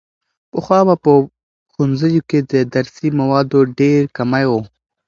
پخوا به په ښوونځیو کې د درسي موادو ډېر کمی و.